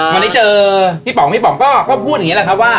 วันนี้เจอพี่ป๋องก็พูดอย่างนี้แหละว่า